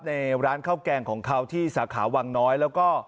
ในร้านข้าวแกงของเขาที่สาขาวังน้อยแล้วก็